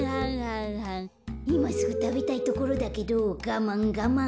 こころのこえいますぐたべたいところだけどがまんがまん。